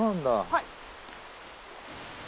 はい。